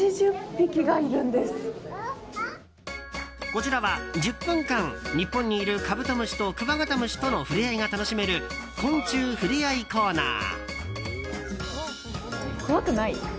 こちらは、１０分間日本にいるカブトムシとクワガタムシとの触れ合いが楽しめる昆虫ふれあいコーナー。